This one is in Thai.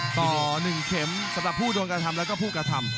ต่อ๑เข็มสำหรับผู้โดนกระทำแล้วก็ผู้กระทำ